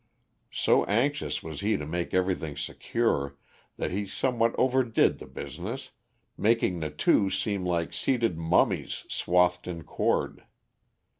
So anxious was he to make everything secure, that he somewhat overdid the business, making the two seem like seated mummies swathed in cord.